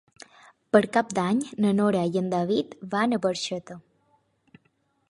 Per Cap d'Any na Nora i en David van a Barxeta.